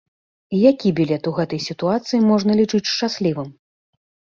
І які білет у гэтай сітуацыі можна лічыць шчаслівым?